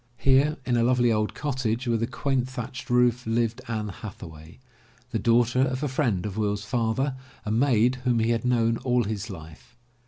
Here in a lovely old cottage, with a quaint thatched roof, lived Anne Hathaway, the daughter of a friend of Will's father, a maid whom he had known all his life.